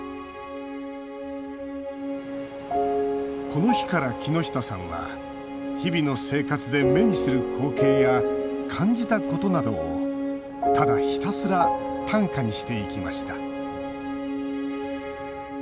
この日から、木下さんは日々の生活で目にする光景や感じたことなどを、ただひたすら短歌にしていきました。